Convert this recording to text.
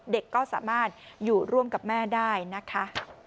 เด็กก็สามารถอยู่ร่วมกับแม่ได้นะคะ